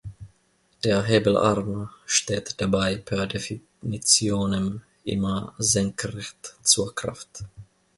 Der Hebelarm steht dabei per definitionem immer senkrecht zur Kraft.